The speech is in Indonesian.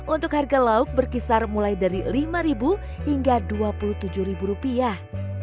untuk harga lauk berkisar mulai dari lima hingga dua puluh tujuh rupiah